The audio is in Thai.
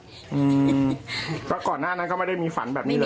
แล้วก่อนหน้านั้นก็ไม่ได้มีฝันแบบนี้เลย